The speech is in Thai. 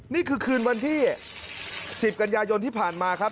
นี่คือคืนวันที่๑๐กันยายนที่ผ่านมาครับ